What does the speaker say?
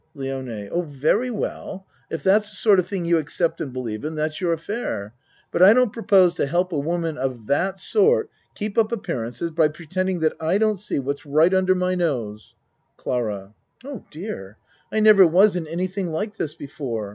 LIONE Oh, very well, if that's the sort of thing you accept and believe in that's your affair but I don't propose to help a woman of that sort keep up appearances by pretending that I don't see what's right under my nose. CLARA Oh, dear! I never was in anything like this before.